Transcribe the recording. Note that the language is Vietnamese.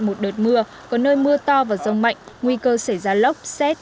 một đợt mưa có nơi mưa to và rông mạnh nguy cơ xảy ra lốc xét